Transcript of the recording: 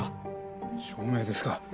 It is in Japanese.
証明ですか。